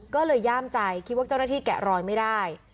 ก็เลยย่ามใจคิดว่าเจ้าหน้าที่แกะรอยไม่ได้